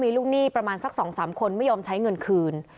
มีลูกหนี้ประมาณสัก๒๓คนไม่ยอมใช้เงินคืน